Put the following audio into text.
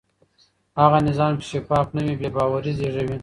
هغه نظام چې شفاف نه وي بې باوري زېږوي